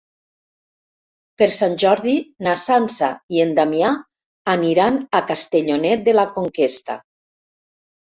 Per Sant Jordi na Sança i en Damià aniran a Castellonet de la Conquesta.